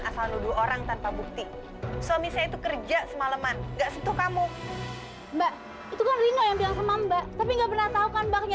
sampai jumpa di video selanjutnya